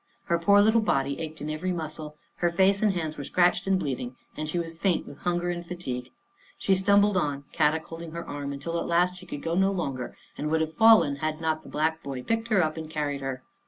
Her poor little body ached in every muscle, her face and hands were scratched and bleeding, and she was faint with hunger and fatigue. She stum bled on, Kadok holding her arm, until at last she could go no longer and would have fallen, had not the black boy picked her up and carried her.